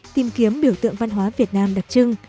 tìm kiếm biểu tượng văn hóa việt nam đặc trưng